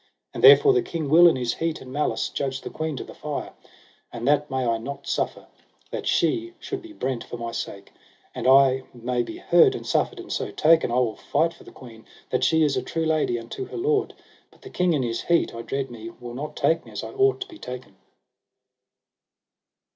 And therefore the king will in his heat and malice judge the queen to the fire, and that may I not suffer, that she should be brent for my sake; for an I may be heard and suffered and so taken, I will fight for the queen, that she is a true lady unto her lord; but the king in his heat I dread me will not take me as I ought to be taken.